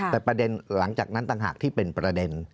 แต่ประเด็นหลังจากนั้นต่างหากที่เป็นประเด็น